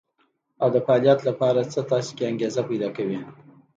او د فعاليت لپاره څه تاسې کې انګېزه پيدا کوي.